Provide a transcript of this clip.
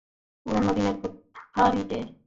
পুরোনো দিনের খাতিরে।